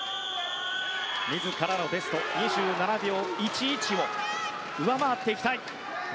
自らのベスト２７秒１１を上回っていきたい。